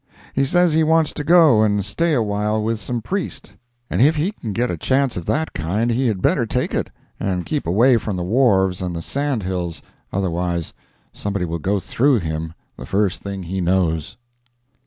He says he wants to go and stay a while with some priest—and if he can get a chance of that kind, he had better take it and keep away from the wharves and the sand hills; otherwise somebody will "go through him" the first thing he knows.